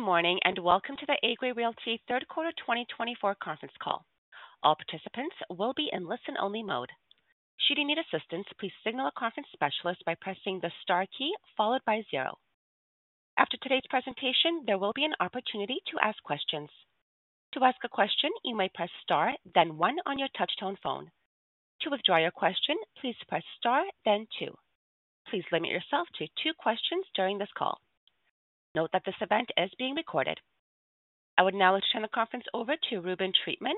Good morning, and welcome to the Agree Realty third quarter 2024 conference call. All participants will be in listen-only mode. Should you need assistance, please signal a conference specialist by pressing the star key followed by zero. After today's presentation, there will be an opportunity to ask questions. To ask a question, you may press star, then one on your touchtone phone. To withdraw your question, please press star, then two. Please limit yourself to two questions during this call. Note that this event is being recorded. I would now like to turn the conference over to Reuben Treatman,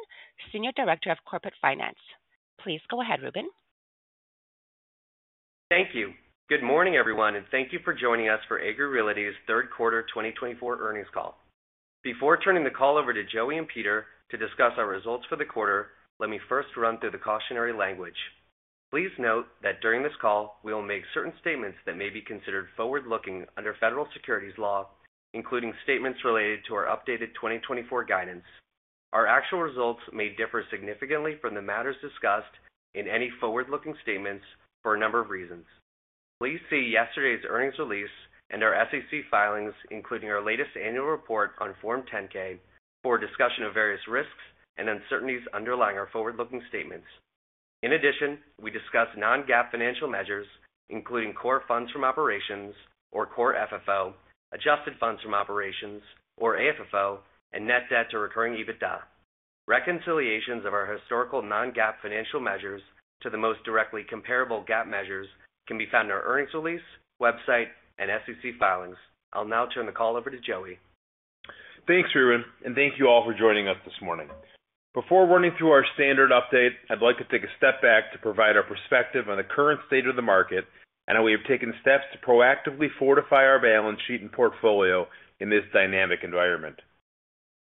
Senior Director of Corporate Finance. Please go ahead, Reuben. Thank you. Good morning, everyone, and thank you for joining us for Agree Realty's third quarter 2024 earnings call. Before turning the call over to Joey and Peter to discuss our results for the quarter, let me first run through the cautionary language. Please note that during this call, we will make certain statements that may be considered forward-looking under federal securities law, including statements related to our updated 2024 guidance. Our actual results may differ significantly from the matters discussed in any forward-looking statements for a number of reasons. Please see yesterday's earnings release and our SEC filings, including our latest annual report on Form 10-K, for a discussion of various risks and uncertainties underlying our forward-looking statements. In addition, we discuss non-GAAP financial measures, including core funds from operations or Core FFO, adjusted funds from operations or AFFO, and net debt to recurring EBITDA. Reconciliations of our historical non-GAAP financial measures to the most directly comparable GAAP measures can be found in our earnings release, website, and SEC filings. I'll now turn the call over to Joey. Thanks, Reuben, and thank you all for joining us this morning. Before running through our standard update, I'd like to take a step back to provide our perspective on the current state of the market and how we have taken steps to proactively fortify our balance sheet and portfolio in this dynamic environment.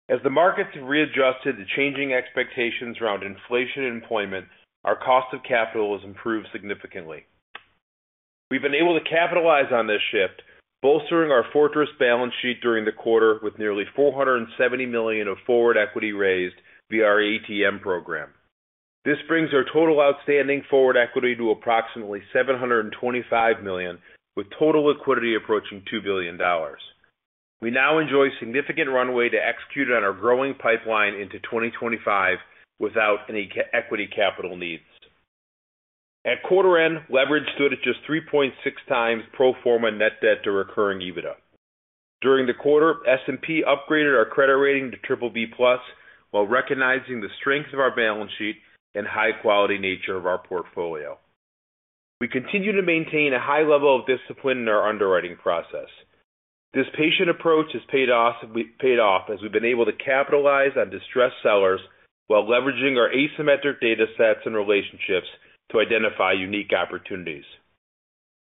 As the markets have readjusted to changing expectations around inflation and employment, our cost of capital has improved significantly. We've been able to capitalize on this shift, bolstering our fortress balance sheet during the quarter with nearly $470 million of forward equity raised via our ATM program. This brings our total outstanding forward equity to approximately $725 million, with total liquidity approaching $2 billion. We now enjoy significant runway to execute on our growing pipeline into 2025 without any equity capital needs. At quarter end, leverage stood at just 3.6x pro forma net debt to recurring EBITDA. During the quarter, S&P upgraded our credit rating to BBB+, while recognizing the strength of our balance sheet and high-quality nature of our portfolio. We continue to maintain a high level of discipline in our underwriting process. This patient approach has paid off as we've been able to capitalize on distressed sellers while leveraging our asymmetric datasets and relationships to identify unique opportunities.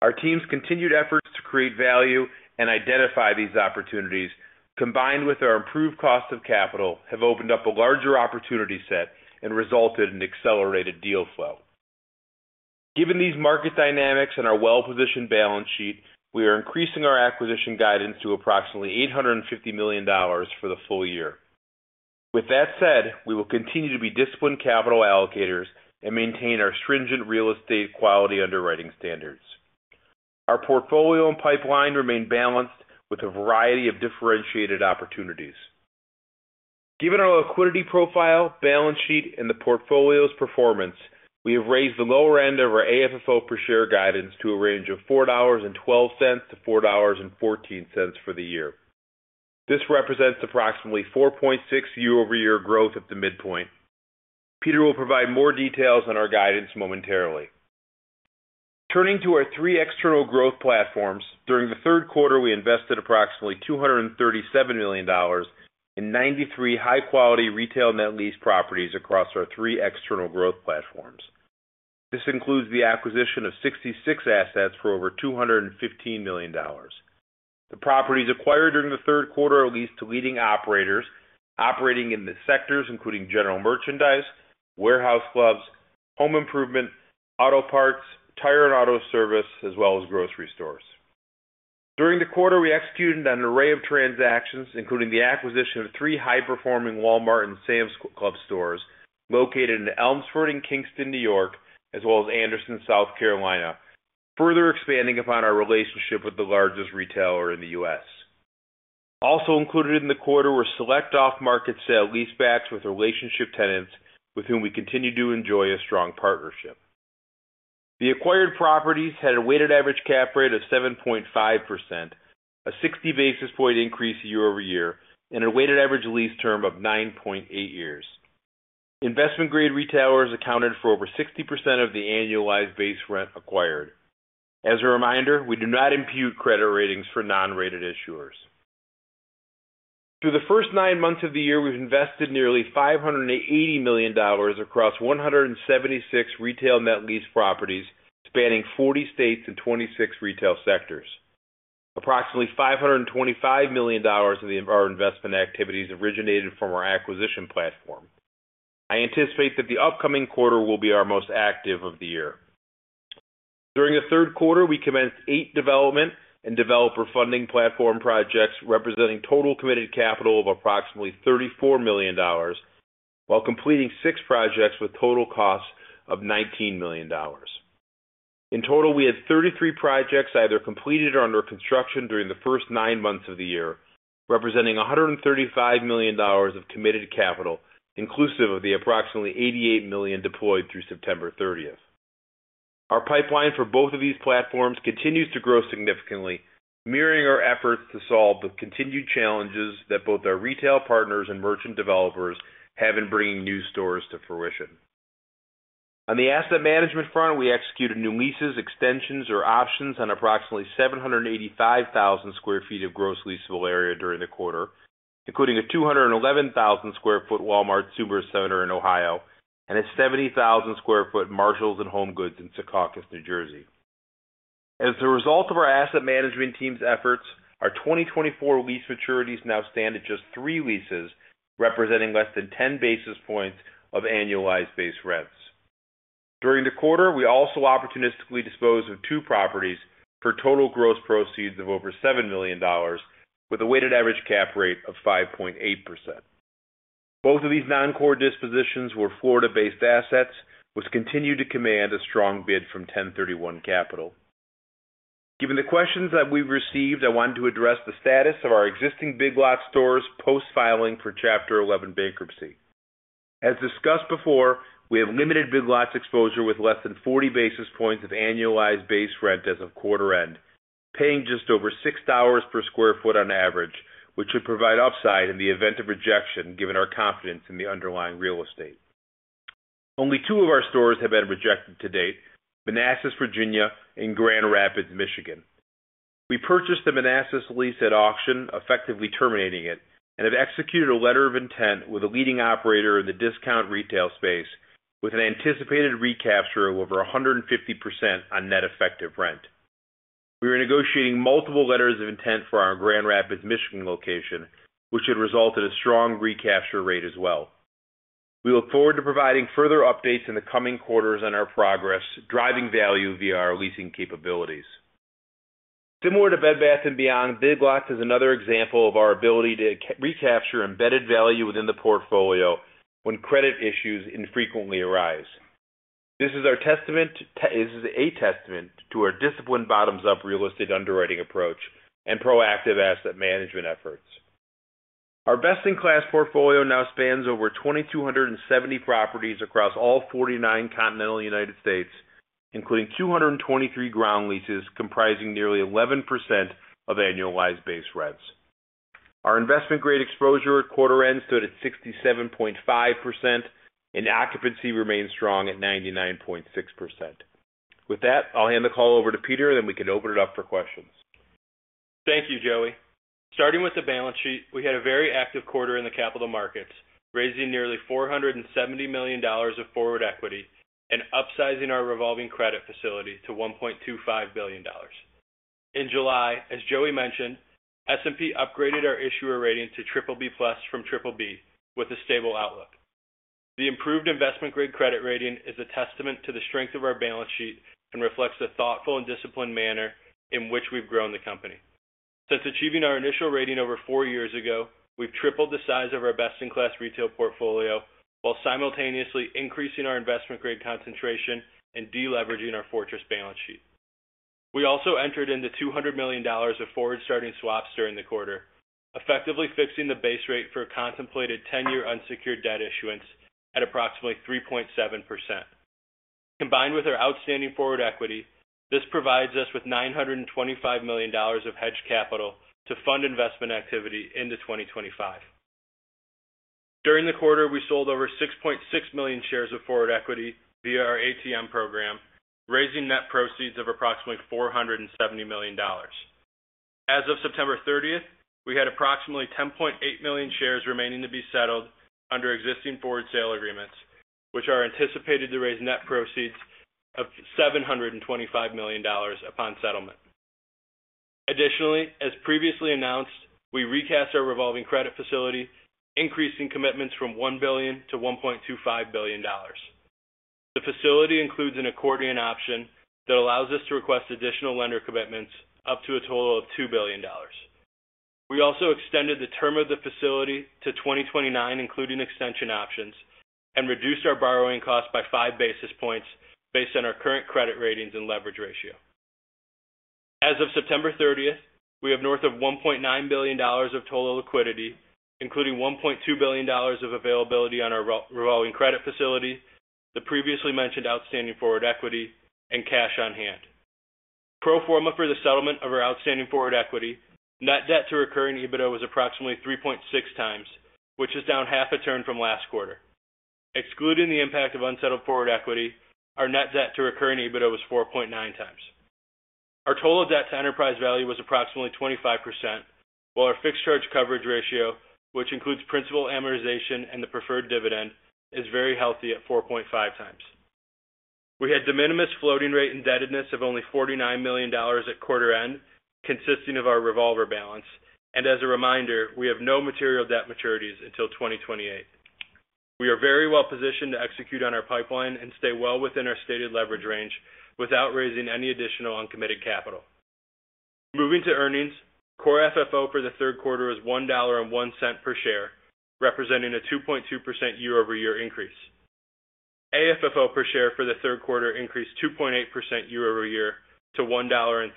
Our team's continued efforts to create value and identify these opportunities, combined with our improved cost of capital, have opened up a larger opportunity set and resulted in accelerated deal flow. Given these market dynamics and our well-positioned balance sheet, we are increasing our acquisition guidance to approximately $850 million for the full year. With that said, we will continue to be disciplined capital allocators and maintain our stringent real estate quality underwriting standards. Our portfolio and pipeline remain balanced with a variety of differentiated opportunities. Given our liquidity profile, balance sheet, and the portfolio's performance, we have raised the lower end of our AFFO per share guidance to a range of $4.12-$4.14 for the year. This represents approximately 4.6% year-over-year growth at the midpoint. Peter will provide more details on our guidance momentarily. Turning to our three external growth platforms, during the third quarter, we invested approximately $237 million in 93 high-quality retail net lease properties across our three external growth platforms. This includes the acquisition of 66 assets for over $215 million. The properties acquired during the third quarter are leased to leading operators, operating in the sectors, including general merchandise, warehouse clubs, home improvement, auto parts, tire and auto service, as well as grocery stores. During the quarter, we executed an array of transactions, including the acquisition of three high-performing Walmart and Sam's Club stores located in Elmsford and Kingston, New York, as well as Anderson, South Carolina, further expanding upon our relationship with the largest retailer in the U.S. Also included in the quarter were select off-market sale leasebacks with relationship tenants with whom we continue to enjoy a strong partnership. The acquired properties had a weighted average cap rate of 7.5%, a 60 basis point increase year-over-year, and a weighted average lease term of 9.8 years. Investment-grade retailers accounted for over 60% of the annualized base rent acquired. As a reminder, we do not impute credit ratings for non-rated issuers. Through the first nine months of the year, we've invested nearly $580 million across 176 retail net lease properties, spanning 40 states and 26 retail sectors. Approximately $525 million of our investment activities originated from our acquisition platform. I anticipate that the upcoming quarter will be our most active of the year. During the third quarter, we commenced eight development and Developer Funding Platform projects, representing total committed capital of approximately $34 million, while completing six projects with total costs of $19 million. In total, we had 33 projects either completed or under construction during the first nine months of the year, representing $135 million of committed capital, inclusive of the approximately $88 million deployed through September 30th. Our pipeline for both of these platforms continues to grow significantly, mirroring our efforts to solve the continued challenges that both our retail partners and merchant developers have in bringing new stores to fruition. On the asset management front, we executed new leases, extensions, or options on approximately 785,000 sq ft of gross leasable area during the quarter, including a 211,000 sq ft Walmart supercenter in Ohio, and a 70,000 sq ft Marshalls and HomeGoods in Secaucus, New Jersey. As a result of our asset management team's efforts, our 2024 lease maturities now stand at just three leases, representing less than 10 basis points of annualized base rents. During the quarter, we also opportunistically disposed of two properties for total gross proceeds of over $7 million, with a weighted average cap rate of 5.8%. Both of these non-core dispositions were Florida-based assets, which continued to command a strong bid from 1031 capital. Given the questions that we've received, I wanted to address the status of our existing Big Lots stores post-filing for Chapter 11 bankruptcy. As discussed before, we have limited Big Lots exposure with less than 40 basis points of annualized base rent as of quarter end, paying just over $6 per sq ft on average, which should provide upside in the event of rejection, given our confidence in the underlying real estate. Only two of our stores have been rejected to date: Manassas, Virginia, and Grand Rapids, Michigan. We purchased the Manassas lease at auction, effectively terminating it, and have executed a letter of intent with a leading operator in the discount retail space with an anticipated recapture of over 150% on net effective rent. We are negotiating multiple letters of intent for our Grand Rapids, Michigan, location, which should result in a strong recapture rate as well. We look forward to providing further updates in the coming quarters on our progress, driving value via our leasing capabilities. Similar to Bed Bath & Beyond, Big Lots is another example of our ability to recapture embedded value within the portfolio when credit issues infrequently arise. This is a testament to our disciplined, bottoms-up, real estate underwriting approach and proactive asset management efforts. Our best-in-class portfolio now spans over 2,270 properties across all 49 continental United States, including 223 ground leases, comprising nearly 11% of annualized base rents. Our investment-grade exposure at quarter end stood at 67.5%, and occupancy remains strong at 99.6%. With that, I'll hand the call over to Peter, then we can open it up for questions. Thank you, Joey. Starting with the balance sheet, we had a very active quarter in the capital markets, raising nearly $470 million of forward equity and upsizing our revolving credit facility to $1.25 billion. In July, as Joey mentioned, S&P upgraded our issuer rating to BBB+ from BBB, with a stable outlook. The improved investment-grade credit rating is a testament to the strength of our balance sheet and reflects the thoughtful and disciplined manner in which we've grown the company. Since achieving our initial rating over four years ago, we've tripled the size of our best-in-class retail portfolio, while simultaneously increasing our investment-grade concentration and deleveraging our fortress balance sheet. We also entered into $200 million of forward-starting swaps during the quarter, effectively fixing the base rate for a contemplated 10-year unsecured debt issuance at approximately 3.7%. Combined with our outstanding forward equity, this provides us with $925 million of hedged capital to fund investment activity into 2025. During the quarter, we sold over 6.6 million shares of forward equity via our ATM program, raising net proceeds of approximately $470 million. As of September 30th, we had approximately 10.8 million shares remaining to be settled under existing forward sale agreements, which are anticipated to raise net proceeds of $725 million upon settlement. Additionally, as previously announced, we recast our revolving credit facility, increasing commitments from $1 billion to $1.25 billion. The facility includes an accordion option that allows us to request additional lender commitments up to a total of $2 billion. We also extended the term of the facility to 2029, including extension options, and reduced our borrowing costs by five basis points based on our current credit ratings and leverage ratio. As of September 30th, we have north of $1.9 billion of total liquidity, including $1.2 billion of availability on our revolving credit facility, the previously mentioned outstanding forward equity, and cash on hand. Pro forma for the settlement of our outstanding forward equity, net debt to recurring EBITDA was approximately 3.6x, which is down half a turn from last quarter. Excluding the impact of unsettled forward equity, our net debt to recurring EBITDA was 4.9x. Our total debt to enterprise value was approximately 25%, while our fixed charge coverage ratio, which includes principal amortization and the preferred dividend, is very healthy at 4.5x. We had de minimis floating rate indebtedness of only $49 million at quarter end, consisting of our revolver balance. And as a reminder, we have no material debt maturities until 2028. We are very well positioned to execute on our pipeline and stay well within our stated leverage range without raising any additional uncommitted capital. Moving to earnings. Core FFO for the third quarter is $1.01 per share, representing a 2.2% year-over-year increase. AFFO per share for the third quarter increased 2.8% year-over-year to $1.03.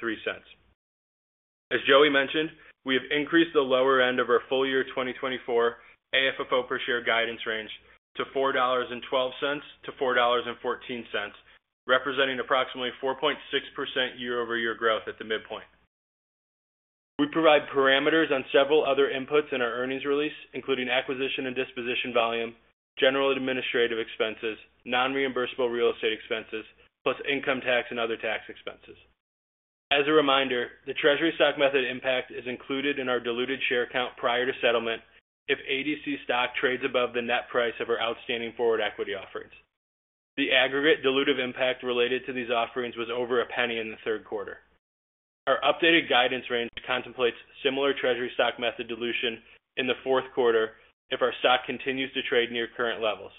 As Joey mentioned, we have increased the lower end of our full year 2024 AFFO per share guidance range to $4.12-$4.14, representing approximately 4.6% year-over-year growth at the midpoint. We provide parameters on several other inputs in our earnings release, including acquisition and disposition volume, general administrative expenses, non-reimbursable real estate expenses, plus income tax and other tax expenses. As a reminder, the treasury stock method impact is included in our diluted share count prior to settlement if ADC stock trades above the net price of our outstanding forward equity offerings. The aggregate dilutive impact related to these offerings was over $0.01 in the third quarter. Our updated guidance range contemplates similar treasury stock method dilution in the fourth quarter if our stock continues to trade near current levels.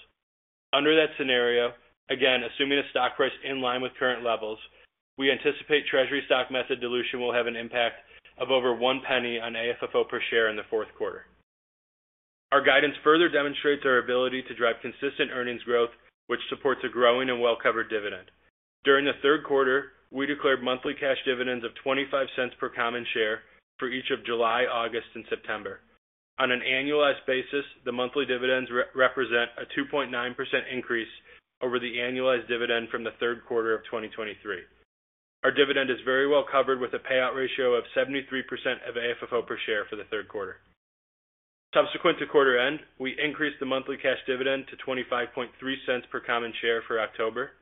Under that scenario, again, assuming a stock price in line with current levels, we anticipate treasury stock method dilution will have an impact of over $0.01 on AFFO per share in the fourth quarter. Our guidance further demonstrates our ability to drive consistent earnings growth, which supports a growing and well-covered dividend. During the third quarter, we declared monthly cash dividends of $0.25 per common share for each of July, August, and September. On an annualized basis, the monthly dividends represent a 2.9% increase over the annualized dividend from the third quarter of 2023. Our dividend is very well covered, with a payout ratio of 73% of AFFO per share for the third quarter. Subsequent to quarter end, we increased the monthly cash dividend to $0.253 per common share for October.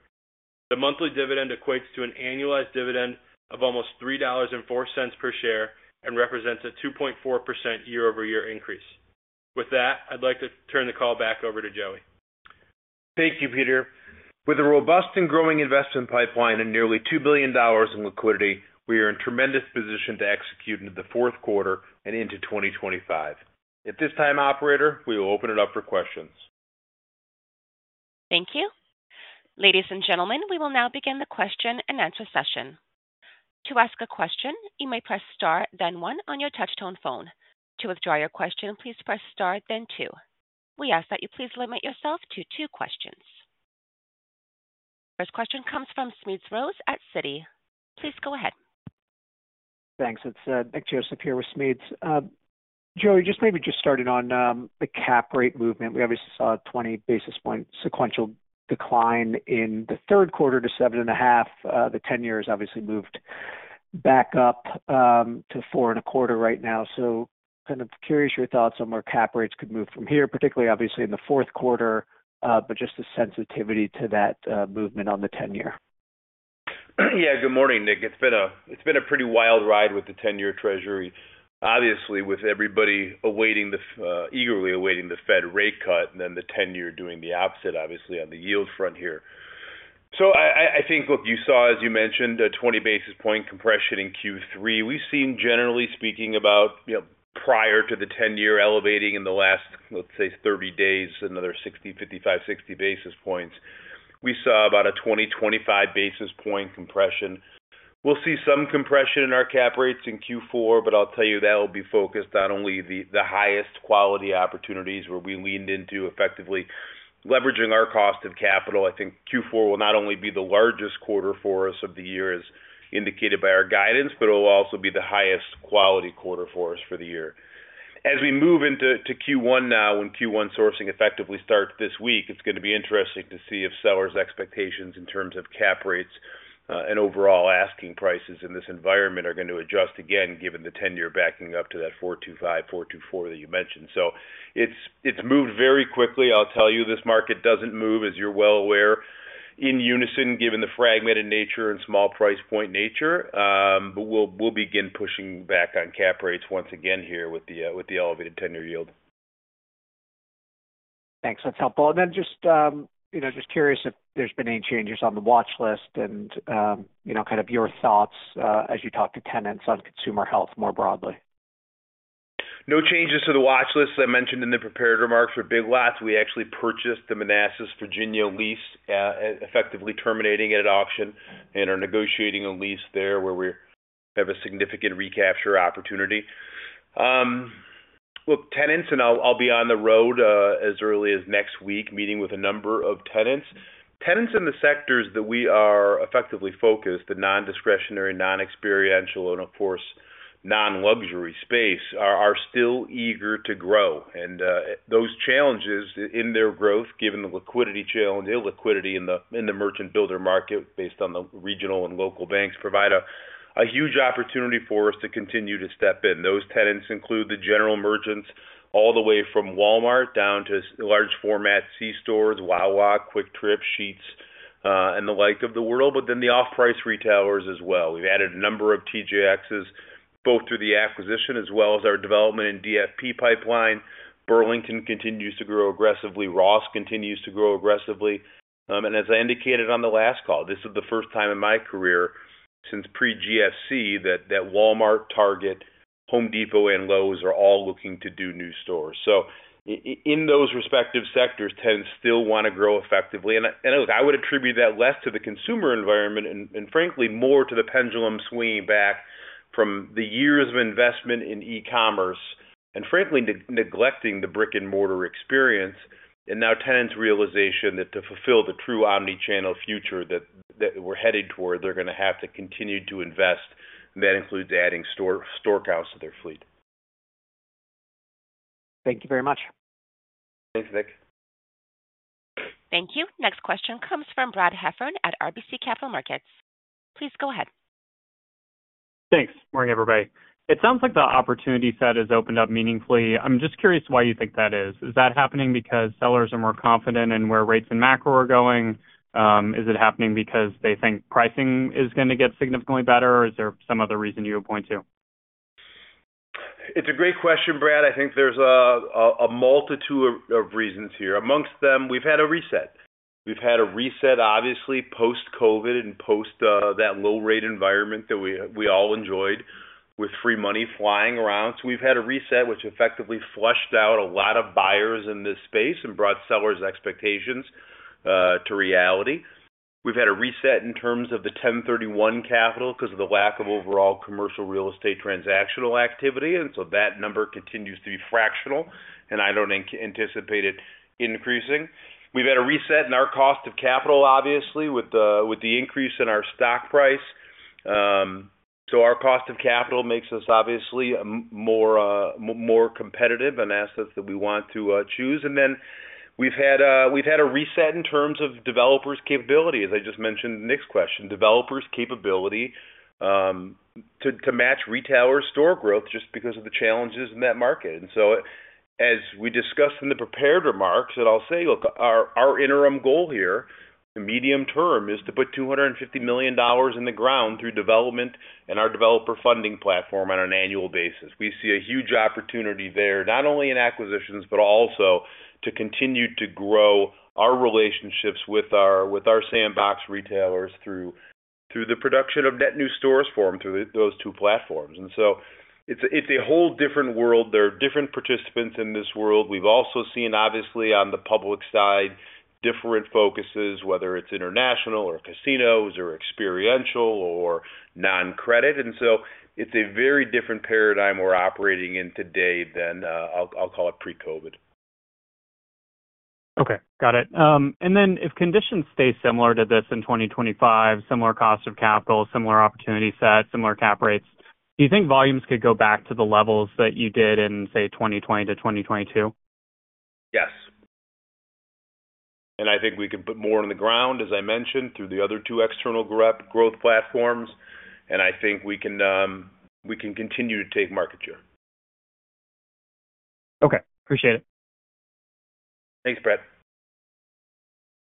The monthly dividend equates to an annualized dividend of almost $3.04 per share and represents a 2.4% year-over-year increase. With that, I'd like to turn the call back over to Joey. Thank you, Peter. With a robust and growing investment pipeline and nearly $2 billion in liquidity, we are in tremendous position to execute into the fourth quarter and into 2025. At this time, operator, we will open it up for questions. Thank you. Ladies and gentlemen, we will now begin the question-and-answer session. To ask a question, you may press Star, then one on your touchtone phone. To withdraw your question, please press Star, then two. We ask that you please limit yourself to two questions. First question comes from Smedes Rose at Citi. Please go ahead. Thanks. It's Nick Joseph here with Smedes. Joey, just maybe starting on the cap rate movement. We obviously saw a 20 basis point sequential decline in the third quarter to 7.5%. The 10-year has obviously moved back up to 4.25% right now. So kind of curious your thoughts on where cap rates could move from here, particularly obviously in the fourth quarter, but just the sensitivity to that movement on the 10-year. Yeah. Good morning, Nick. It's been a pretty wild ride with the 10-year Treasury. Obviously, with everybody awaiting the eagerly awaiting the Fed rate cut, and then the 10-year doing the opposite, obviously, on the yield front here. So I think, look, you saw, as you mentioned, a 20 basis point compression in Q3. We've seen, generally speaking, about, you know, prior to the 10-year elevating in the last, let's say, 30 days, another 60, 55, 60 basis points. We saw about a 20-25 basis point compression. We'll see some compression in our cap rates in Q4, but I'll tell you, that'll be focused on only the highest quality opportunities where we leaned into effectively leveraging our cost of capital. I think Q4 will not only be the largest quarter for us of the year, as indicated by our guidance, but it will also be the highest quality quarter for us for the year. As we move into Q1 now, when Q1 sourcing effectively starts this week, it's gonna be interesting to see if sellers' expectations in terms of cap rates and overall asking prices in this environment are going to adjust again, given the 10-year backing up to that 4.25%, 4.24% that you mentioned. So it's moved very quickly. I'll tell you, this market doesn't move, as you're well aware, in unison, given the fragmented nature and small price point nature. But we'll begin pushing back on cap rates once again here with the elevated 10-year yield. Thanks. That's helpful. And then just, you know, just curious if there's been any changes on the watch list and, you know, kind of your thoughts, as you talk to tenants on consumer health more broadly. No changes to the watch list. I mentioned in the prepared remarks for Big Lots, we actually purchased the Manassas, Virginia, lease, effectively terminating it at auction and are negotiating a lease there where we have a significant recapture opportunity. Tenants and I'll be on the road as early as next week, meeting with a number of tenants. Tenants in the sectors that we are effectively focused, the non-discretionary, non-experiential, and of course, non-luxury space, are still eager to grow. Those challenges in their growth, given the liquidity challenge, illiquidity in the merchant builder market, based on the regional and local banks, provide a huge opportunity for us to continue to step in. Those tenants include the general merchants, all the way from Walmart down to large format C stores, Wawa, QuikTrip, Sheetz, and the like of the world, but then the off-price retailers as well. We've added a number of TJX's, both through the acquisition as well as our development in DFP pipeline. Burlington continues to grow aggressively. Ross continues to grow aggressively. And as I indicated on the last call, this is the first time in my career since pre-GFC, that Walmart, Target, Home Depot, and Lowe's are all looking to do new stores. So in those respective sectors, tenants still want to grow effectively. And look, I would attribute that less to the consumer environment and, frankly, more to the pendulum swinging back from the years of investment in e-commerce. and frankly, neglecting the brick-and-mortar experience, and now tenants' realization that to fulfill the true omni-channel future that we're headed toward, they're going to have to continue to invest, and that includes adding store counts to their fleet. Thank you very much. Thanks, Nick. Thank you. Next question comes from Brad Heffern at RBC Capital Markets. Please go ahead. Thanks. Morning, everybody. It sounds like the opportunity set has opened up meaningfully. I'm just curious why you think that is. Is that happening because sellers are more confident in where rates and macro are going? Is it happening because they think pricing is going to get significantly better, or is there some other reason you would point to? It's a great question, Brad. I think there's a multitude of reasons here. Among them, we've had a reset. We've had a reset, obviously, post-COVID and post that low rate environment that we all enjoyed with free money flying around. So we've had a reset, which effectively flushed out a lot of buyers in this space and brought sellers' expectations to reality. We've had a reset in terms of the 1031 capital because of the lack of overall commercial real estate transactional activity, and so that number continues to be fractional, and I don't anticipate it increasing. We've had a reset in our cost of capital, obviously, with the increase in our stock price. So our cost of capital makes us obviously more competitive on assets that we want to choose. And then we've had a reset in terms of developers' capability, as I just mentioned in Nick's question, to match retailer store growth just because of the challenges in that market. So as we discussed in the prepared remarks, and I'll say, look, our interim goal here, the medium term, is to put $250 million in the ground through development and our Developer Funding Platform on an annual basis. We see a huge opportunity there, not only in acquisitions, but also to continue to grow our relationships with our sandbox retailers through the production of net new stores formed through those two platforms. So it's a whole different world. There are different participants in this world. We've also seen, obviously, on the public side, different focuses, whether it's international or casinos or experiential or non-credit, and so it's a very different paradigm we're operating in today than, I'll call it pre-COVID. Okay, got it. And then if conditions stay similar to this in 2025, similar cost of capital, similar opportunity set, similar cap rates, do you think volumes could go back to the levels that you did in, say, 2020 to 2022? Yes. And I think we could put more on the ground, as I mentioned, through the other two external growth platforms, and I think we can, we can continue to take market share. Okay, appreciate it. Thanks, Brad.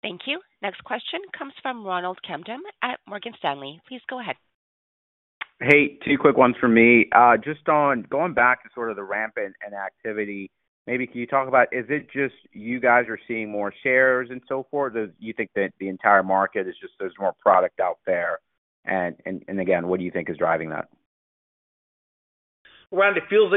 Thank you. Next question comes from Ronald Kamdem at Morgan Stanley. Please go ahead. Hey, two quick ones for me. Just on going back to sort of the rampant and activity, maybe can you talk about, is it just you guys are seeing more shares and so forth? Do you think that the entire market is just there's more product out there? And again, what do you think is driving that? Ron, it feels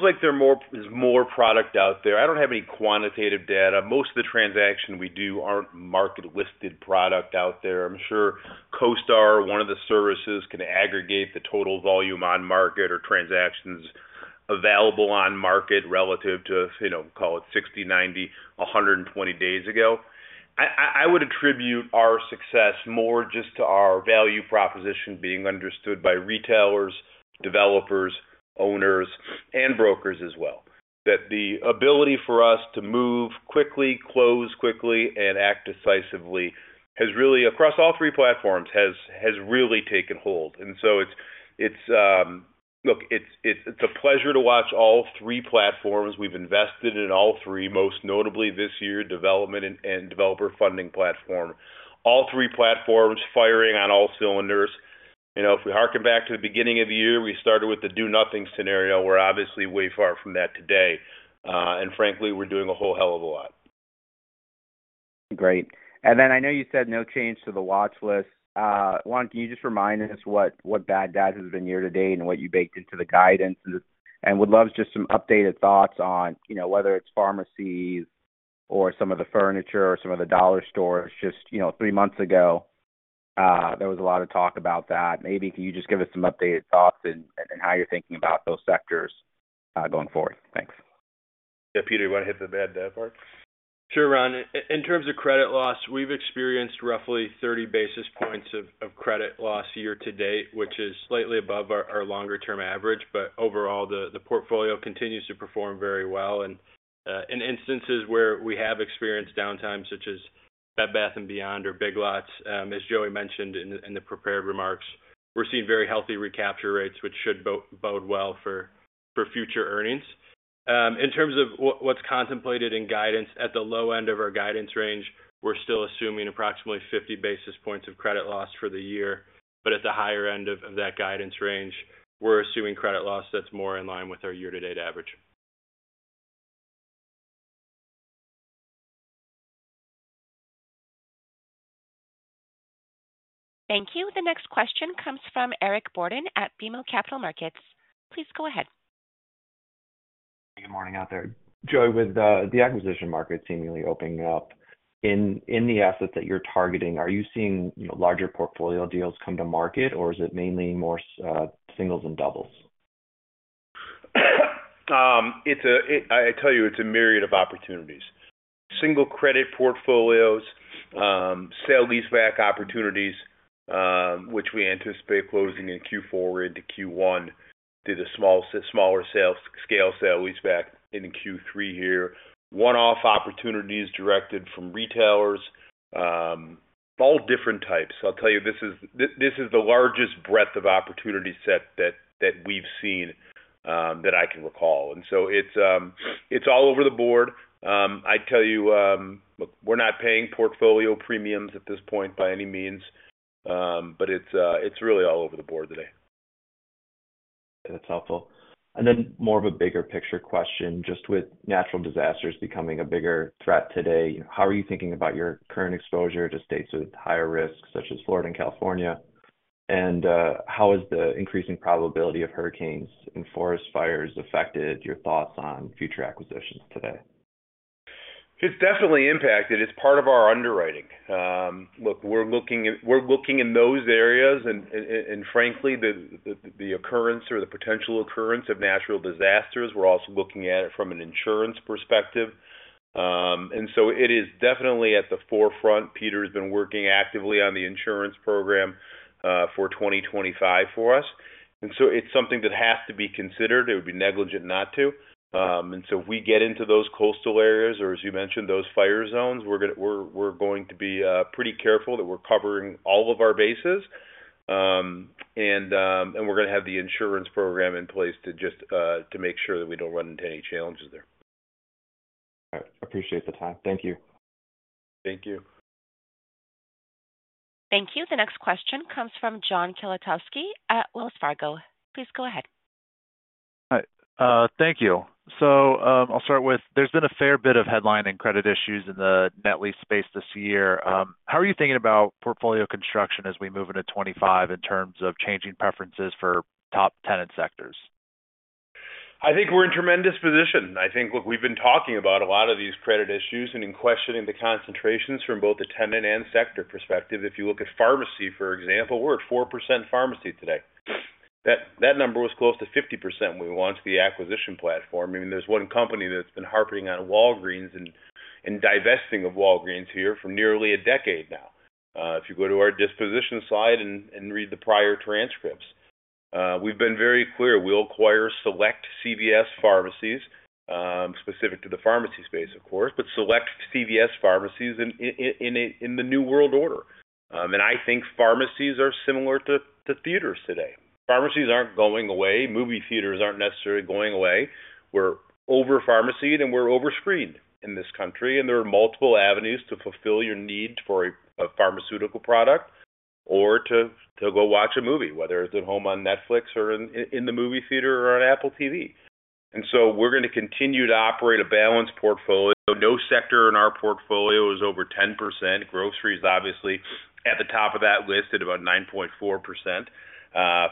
like there's more product out there. I don't have any quantitative data. Most of the transactions we do aren't market-listed product out there. I'm sure CoStar, one of the services, can aggregate the total volume on market or transactions available on market relative to, you know, call it 60, 90, 120 days ago. I would attribute our success more just to our value proposition being understood by retailers, developers, owners, and brokers as well. That the ability for us to move quickly, close quickly, and act decisively has really across all three platforms really taken hold. And so it's a pleasure to watch all three platforms. We've invested in all three, most notably this year, development and Developer Funding Platform. All three platforms firing on all cylinders. You know, if we harken back to the beginning of the year, we started with the do-nothing scenario. We're obviously way far from that today, and frankly, we're doing a whole hell of a lot. Great. And then I know you said no change to the watch list. One, can you just remind us what, what bad debt has been year to date and what you baked into the guidance? And would love just some updated thoughts on, you know, whether it's pharmacies or some of the furniture or some of the dollar stores. Just, you know, three months ago, there was a lot of talk about that. Maybe can you just give us some updated thoughts and, and how you're thinking about those sectors, going forward? Thanks. Yeah, Peter, you want to hit the bad debt part? Sure, Ron. In terms of credit loss, we've experienced roughly thirty basis points of credit loss year to date, which is slightly above our longer-term average. But overall, the portfolio continues to perform very well. And in instances where we have experienced downtime, such as Bed Bath & Beyond or Big Lots, as Joey mentioned in the prepared remarks, we're seeing very healthy recapture rates, which should bode well for future earnings. In terms of what's contemplated in guidance, at the low end of our guidance range, we're still assuming approximately fifty basis points of credit loss for the year. But at the higher end of that guidance range, we're assuming credit loss that's more in line with our year-to-date average. Thank you. The next question comes from Eric Borden at BMO Capital Markets. Please go ahead. Good morning out there. Joey, with the acquisition market seemingly opening up, in the assets that you're targeting, are you seeing, you know, larger portfolio deals come to market, or is it mainly more singles and doubles?... I tell you, it's a myriad of opportunities. Single-credit portfolios, sale-leaseback opportunities, which we anticipate closing in Q4 into Q1, did a smaller scale sale-leaseback in Q3 here. One-off opportunities directed from retailers, all different types. I'll tell you, this is, this, this is the largest breadth of opportunity set that, that we've seen, that I can recall. And so it's all over the board. I'd tell you, look, we're not paying portfolio premiums at this point by any means, but it's really all over the board today. That's helpful. And then more of a bigger picture question, just with natural disasters becoming a bigger threat today, how are you thinking about your current exposure to states with higher risks, such as Florida and California? And, how has the increasing probability of hurricanes and forest fires affected your thoughts on future acquisitions today? It's definitely impacted. It's part of our underwriting. Look, we're looking in those areas and frankly, the occurrence or the potential occurrence of natural disasters, we're also looking at it from an insurance perspective, and so it is definitely at the forefront. Peter has been working actively on the insurance program for 2025 for us, and so it's something that has to be considered. It would be negligent not to, and so if we get into those coastal areas or, as you mentioned, those fire zones, we're going to be pretty careful that we're covering all of our bases, and we're going to have the insurance program in place to just to make sure that we don't run into any challenges there. All right. Appreciate the time. Thank you. Thank you. Thank you. The next question comes from John Kilichowski at Wells Fargo. Please go ahead. Hi, thank you. So, I'll start with there's been a fair bit of headline and credit issues in the net lease space this year. How are you thinking about portfolio construction as we move into 2025 in terms of changing preferences for top tenant sectors? I think we're in tremendous position. I think, look, we've been talking about a lot of these credit issues and in questioning the concentrations from both a tenant and sector perspective. If you look at pharmacy, for example, we're at 4% pharmacy today. That number was close to 50% when we launched the acquisition platform. I mean, there's one company that's been harping on Walgreens and divesting of Walgreens here for nearly a decade now. If you go to our disposition slide and read the prior transcripts, we've been very clear. We'll acquire select CVS pharmacies, specific to the pharmacy space, of course, but select CVS pharmacies in the new world order, and I think pharmacies are similar to theaters today. Pharmacies aren't going away. Movie theaters aren't necessarily going away. We're over-pharmacied, and we're over-screened in this country, and there are multiple avenues to fulfill your need for a pharmaceutical product or to go watch a movie, whether it's at home on Netflix or in the movie theater or on Apple TV. And so we're gonna continue to operate a balanced portfolio. No sector in our portfolio is over 10%. Grocery is obviously at the top of that list at about 9.4%,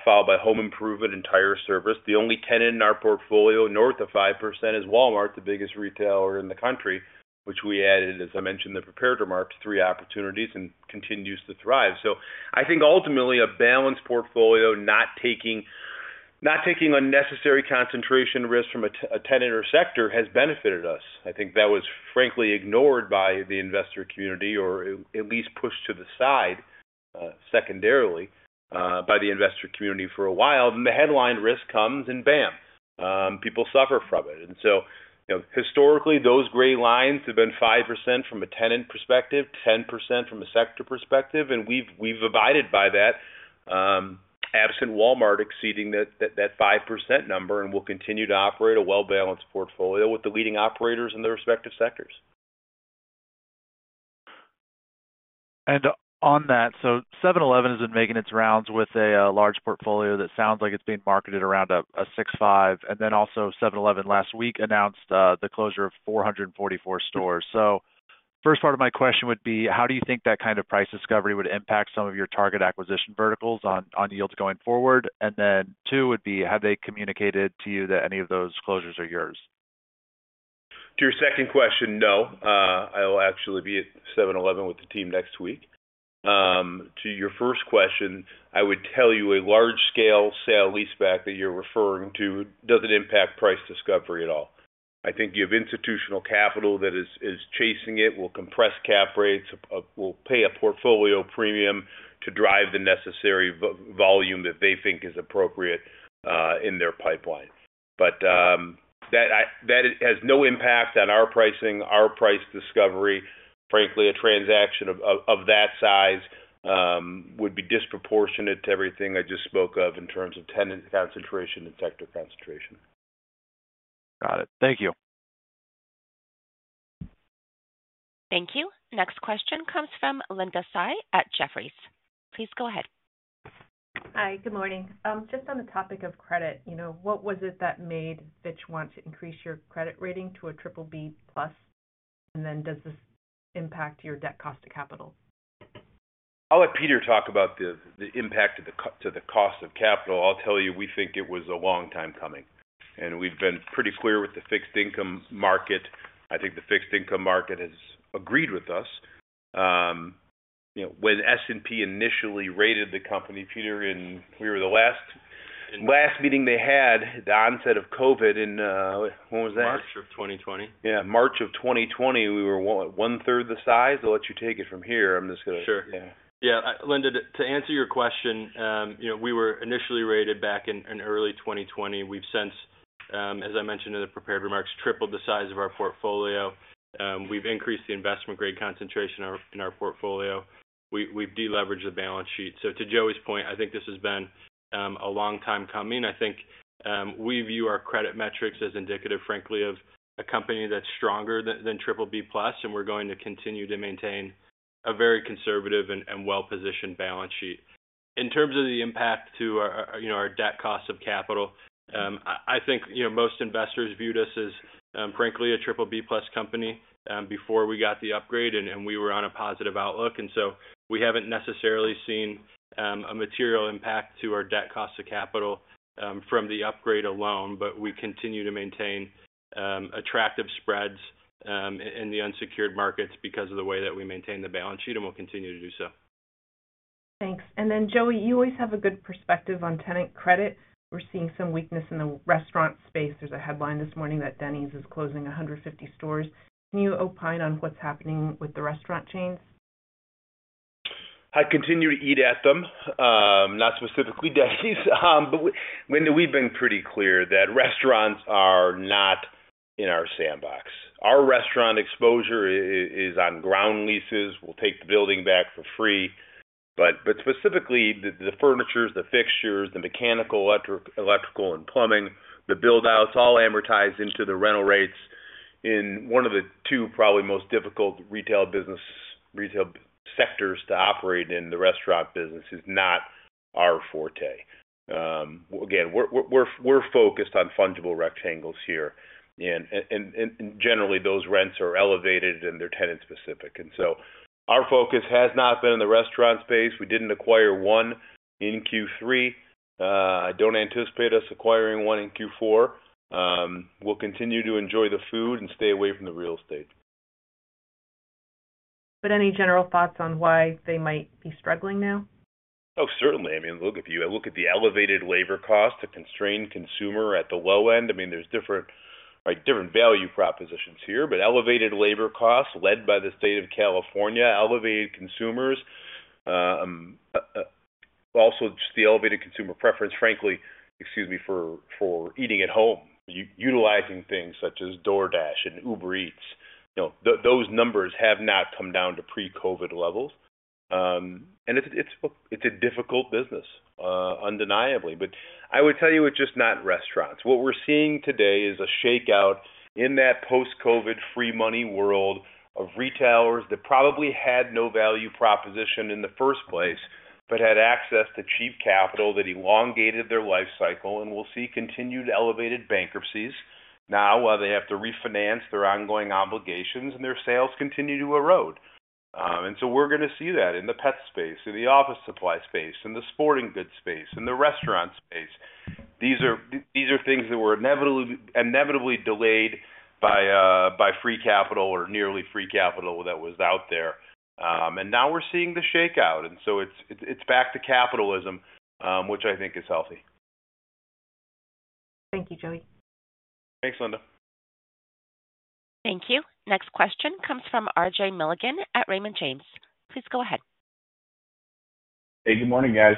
followed by home improvement and tire service. The only tenant in our portfolio, north of 5%, is Walmart, the biggest retailer in the country, which we added, as I mentioned in the prepared remarks, three opportunities and continues to thrive. So I think ultimately a balanced portfolio, not taking, not taking unnecessary concentration risk from a tenant or sector, has benefited us. I think that was frankly ignored by the investor community, or at least pushed to the side secondarily by the investor community for a while, and the headline risk comes, and bam! People suffer from it. So, you know, historically, those gray lines have been 5% from a tenant perspective, 10% from a sector perspective, and we've abided by that, absent Walmart exceeding that 5% number, and we'll continue to operate a well-balanced portfolio with the leading operators in their respective sectors. And on that, so 7-Eleven has been making its rounds with a large portfolio that sounds like it's being marketed around a 6.5x, and then also 7-Eleven last week announced the closure of 444 stores. First part of my question would be: How do you think that kind of price discovery would impact some of your target acquisition verticals on yields going forward? And then two, would be: Have they communicated to you that any of those closures are yours? To your second question, no. I'll actually be at 7-Eleven with the team next week. To your first question, I would tell you a large-scale sale-leaseback that you're referring to doesn't impact price discovery at all. I think you have institutional capital that is chasing it, will compress cap rates, will pay a portfolio premium to drive the necessary volume that they think is appropriate in their pipeline. But that has no impact on our pricing, our price discovery. Frankly, a transaction of that size would be disproportionate to everything I just spoke of in terms of tenant concentration and sector concentration. Got it. Thank you. Thank you. Next question comes from Linda Tsai at Jefferies. Please go ahead. Hi, good morning. Just on the topic of credit, you know, what was it that made Fitch want to increase your credit rating to a BBB+? And then does this impact your debt cost of capital? I'll let Peter talk about the impact to the cost of capital. I'll tell you, we think it was a long time coming, and we've been pretty clear with the fixed income market. I think the fixed income market has agreed with us. You know, when S&P initially rated the company, Peter, we were the last meeting they had, the onset of COVID in, when was that? March of 2020. Yeah, March of 2020, we were what? 1/3 the size. I'll let you take it from here. I'm just gonna- Sure. Yeah. Yeah, Linda, to answer your question, you know, we were initially rated back in early 2020. We've since, as I mentioned in the prepared remarks, tripled the size of our portfolio. We've increased the investment grade concentration in our portfolio. We've deleveraged the balance sheet. So to Joey's point, I think this has been a long time coming. I think we view our credit metrics as indicative, frankly, of a company that's stronger than BBB+, and we're going to continue to maintain a very conservative and well-positioned balance sheet. In terms of the impact to our, you know, our debt cost of capital, I think, you know, most investors viewed us as, frankly, a BBB+ company, before we got the upgrade, and we were on a positive outlook. And so we haven't necessarily seen, a material impact to our debt cost of capital, from the upgrade alone, but we continue to maintain, attractive spreads, in the unsecured markets because of the way that we maintain the balance sheet, and we'll continue to do so. Thanks. And then, Joey, you always have a good perspective on tenant credit. We're seeing some weakness in the restaurant space. There's a headline this morning that Denny's is closing 150 stores. Can you opine on what's happening with the restaurant chains? I continue to eat at them, not specifically Denny's. But we, Linda, we've been pretty clear that restaurants are not in our sandbox. Our restaurant exposure is on ground leases. We'll take the building back for free. But specifically, the furnitures, the fixtures, the mechanical, electrical, and plumbing, the build-outs, all amortized into the rental rates in one of the two probably most difficult retail business, retail sectors to operate in, the restaurant business, is not our forte. Again, we're focused on fungible rectangles here, and generally, those rents are elevated, and they're tenant-specific. And so our focus has not been in the restaurant space. We didn't acquire one in Q3. I don't anticipate us acquiring one in Q4. We'll continue to enjoy the food and stay away from the real estate. But any general thoughts on why they might be struggling now? Oh, certainly. I mean, look at the, look at the elevated labor costs, the constrained consumer at the low end. I mean, there's different, like, different value propositions here, but elevated labor costs, led by the state of California, elevated consumers. Also, just the elevated consumer preference, frankly, excuse me, for eating at home, utilizing things such as DoorDash and Uber Eats. You know, those numbers have not come down to pre-COVID levels. And it's a difficult business, undeniably. But I would tell you, it's just not restaurants. What we're seeing today is a shakeout in that post-COVID free money world of retailers that probably had no value proposition in the first place, but had access to cheap capital that elongated their life cycle, and we'll see continued elevated bankruptcies now while they have to refinance their ongoing obligations, and their sales continue to erode. And so we're gonna see that in the pet space, in the office supply space, in the sporting goods space, in the restaurant space. These are things that were inevitably delayed by free capital or nearly free capital that was out there. And now we're seeing the shakeout, and so it's back to capitalism, which I think is healthy. Thank you, Joey. Thanks, Linda. Thank you. Next question comes from RJ Milligan at Raymond James. Please go ahead. Hey, good morning, guys.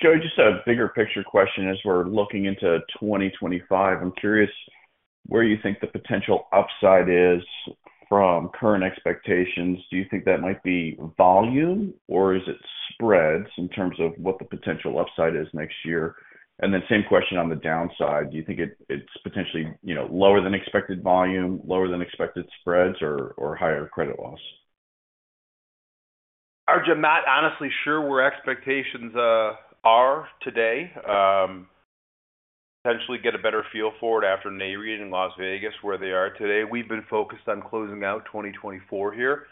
Joey, just a bigger picture question as we're looking into 2025. I'm curious where you think the potential upside is from current expectations. Do you think that might be volume, or is it spreads in terms of what the potential upside is next year? And then same question on the downside. Do you think it's potentially, you know, lower than expected volume, lower than expected spreads, or higher credit loss? RJ, I'm not honestly sure where expectations are today. Potentially get a better feel for it after NAREIT in Las Vegas, where they are today. We've been focused on closing out 2024 here,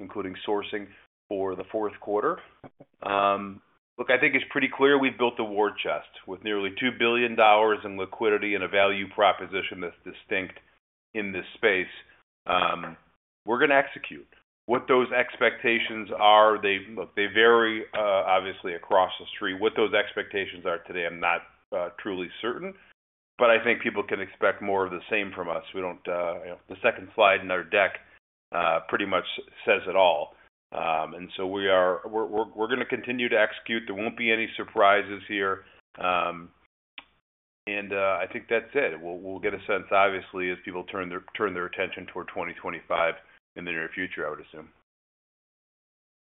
including sourcing for the fourth quarter. Look, I think it's pretty clear we've built a war chest with nearly $2 billion in liquidity and a value proposition that's distinct in this space. We're gonna execute. What those expectations are, look, they vary, obviously, across the street. What those expectations are today, I'm not truly certain, but I think people can expect more of the same from us. We don't, you know... The second slide in our deck pretty much says it all. And so we're gonna continue to execute. There won't be any surprises here. And, I think that's it. We'll get a sense, obviously, as people turn their attention toward 2025 in the near future, I would assume.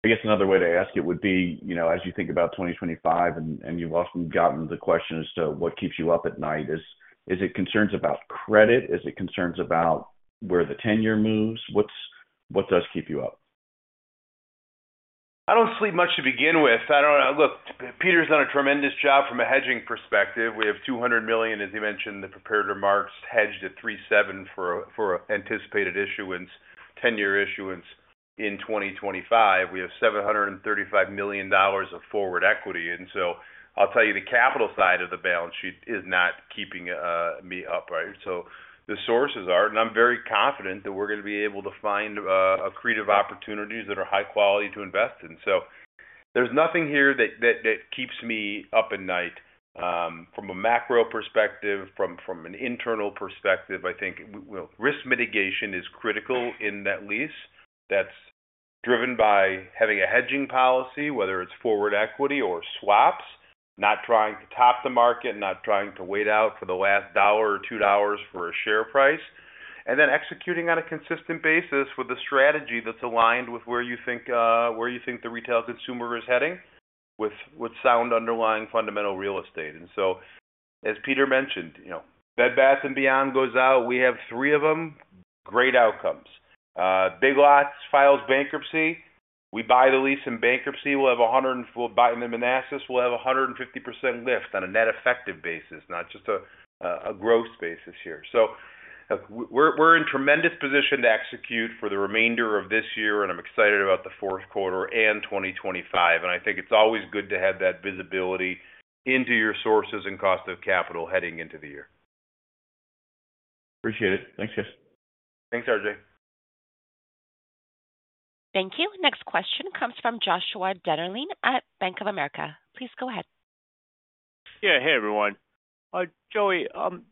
I guess another way to ask it would be, you know, as you think about 2025, and you've often gotten the question as to what keeps you up at night, is it concerns about credit? Is it concerns about where the ten-year moves? What does keep you up? I don't sleep much to begin with. I don't. Look, Peter's done a tremendous job from a hedging perspective. We have $200 million, as he mentioned in the prepared remarks, hedged at 3.7% for a anticipated issuance, ten-year issuance in 2025. We have $735 million of forward equity. And so I'll tell you, the capital side of the balance sheet is not keeping me up, right? So the sources are, and I'm very confident that we're gonna be able to find accretive opportunities that are high quality to invest in. So there's nothing here that keeps me up at night. From a macro perspective, from an internal perspective, I think well, risk mitigation is critical in that lease. That's driven by having a hedging policy, whether it's forward equity or swaps, not trying to top the market, not trying to wait out for the last $1 or $2 for a share price, and then executing on a consistent basis with a strategy that's aligned with where you think the retail consumer is heading, with sound underlying fundamental real estate. And so, as Peter mentioned, you know, Bed Bath & Beyond goes out. We have three of them, great outcomes. Big Lots files bankruptcy, we buy the lease in bankruptcy. We'll buy them in Manassas, we'll have a 150% lift on a net effective basis, not just a growth basis here. So we're in tremendous position to execute for the remainder of this year, and I'm excited about the fourth quarter and 2025, and I think it's always good to have that visibility into your sources and cost of capital heading into the year. Appreciate it. Thanks, guys. Thanks, RJ. Thank you. Next question comes from Joshua Dennerlein at Bank of America. Please go ahead. Yeah. Hey, everyone. Joey,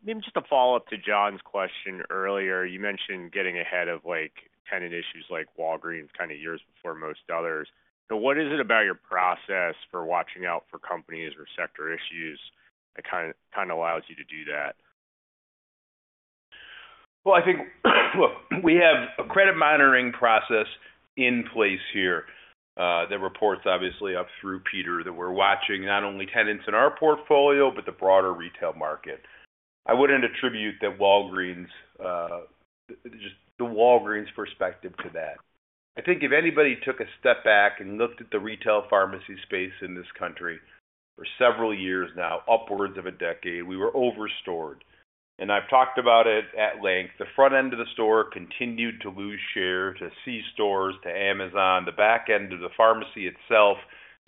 maybe just a follow-up to John's question earlier. You mentioned getting ahead of, like, tenant issues like Walgreens, kind of, years before most others. So what is it about your process for watching out for companies or sector issues that kind of allows you to do that? I think, look, we have a credit monitoring process in place here, that reports obviously up through Peter, that we're watching, not only tenants in our portfolio, but the broader retail market. I wouldn't attribute that Walgreens, just the Walgreens perspective to that. I think if anybody took a step back and looked at the retail pharmacy space in this country for several years now, upwards of a decade, we were overstored. I've talked about it at length. The front end of the store continued to lose share to C stores, to Amazon, the back end of the pharmacy itself,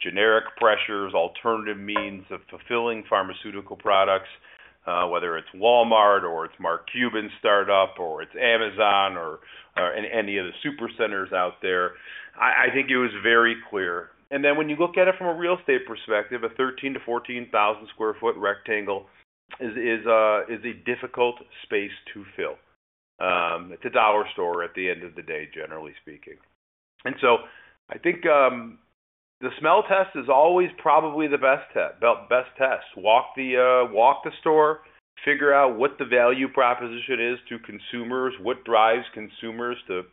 generic pressures, alternative means of fulfilling pharmaceutical products, whether it's Walmart or it's Mark Cuban startup, or it's Amazon or, any of the super centers out there. I think it was very clear. When you look at it from a real estate perspective, a 13,000 sq ft-4,000 sq ft rectangle is a difficult space to fill. It's a dollar store at the end of the day, generally speaking. I think the smell test is always probably the best test. Walk the store, figure out what the value proposition is to consumers, what drives consumers to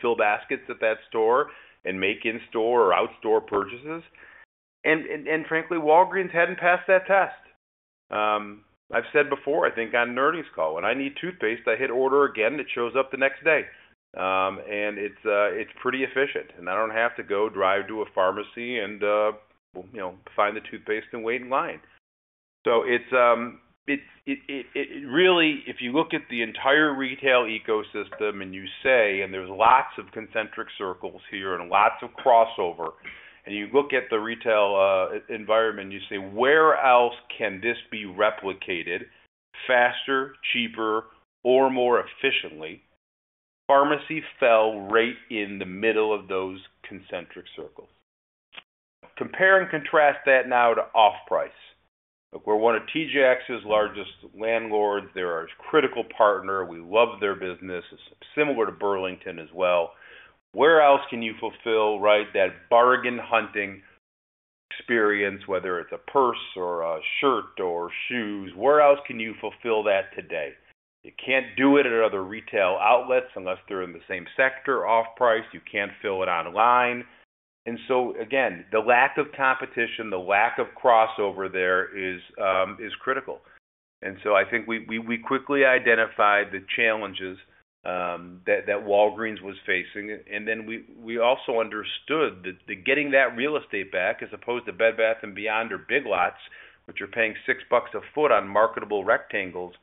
fill baskets at that store and make in-store or out-store purchases. Frankly, Walgreens hadn't passed that test. I've said before, I think on earnings call, when I need toothpaste, I hit order again, it shows up the next day. It's pretty efficient, and I don't have to go drive to a pharmacy and, you know, find the toothpaste and wait in line. It's really, if you look at the entire retail ecosystem and you say, and there's lots of concentric circles here and lots of crossover, and you look at the retail environment and you say, "Where else can this be replicated faster, cheaper, or more efficiently?" Pharmacy fell right in the middle of those concentric circles. Compare and contrast that now to off-price. Look, we're one of TJX's largest landlords. They're our critical partner. We love their business. It's similar to Burlington as well. Where else can you fulfill, right, that bargain hunting experience, whether it's a purse or a shirt or shoes? Where else can you fulfill that today? You can't do it at other retail outlets unless they're in the same sector, off-price. You can't fill it online. And so again, the lack of competition, the lack of crossover there is, is critical. And so I think we quickly identified the challenges that Walgreens was facing. And then we also understood that the getting that real estate back, as opposed to Bed, Bath & Beyond or Big Lots, which are paying $6 a foot on marketable rectangles,